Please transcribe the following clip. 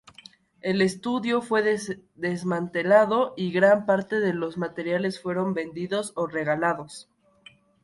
El estadio fue desmantelado y gran parte de los materiales fueron vendidos o regalados.